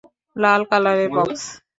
লাল কালারের বক্স।